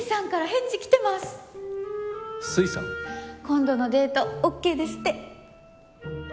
今度のデートオーケーですって。